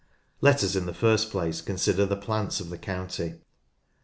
Let us in the first place consider the plants of the county.